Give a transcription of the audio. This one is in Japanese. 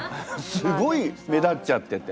すごい目立っちゃってて。